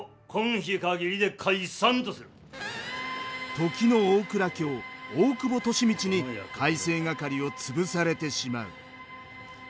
時の大蔵卿大久保利通に改正掛を潰されてしまう。